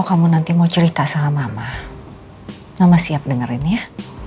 kamu nanti mau cerita sama mama siap dengerin ya